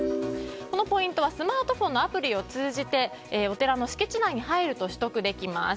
このポイントはスマートフォンのアプリを通じてお寺の敷地内に入ると取得できます。